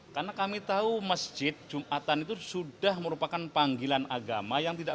karena kami tahu masjid jumatan itu sudah merupakan panggilan agama